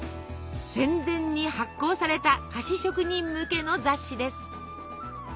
戦前に発行された菓子職人向けの雑誌です。